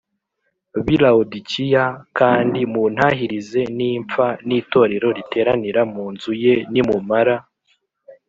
B i lawodikiya kandi muntahirize nimfa n itorero riteranira mu nzu ye nimumara